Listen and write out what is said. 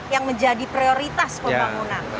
yang menjadi prioritas pembangunan